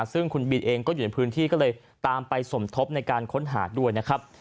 ซึ่งคุณบินเองก็อยู่ในพื้นที่ก็เลยตามไปสมทบในการค้นหาด้วยนะครับ